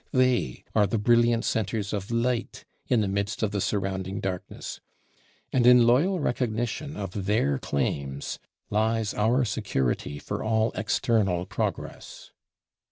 They are the brilliant centres of light in the midst of the surrounding darkness; and in loyal recognition of their claims lies our security for all external progress.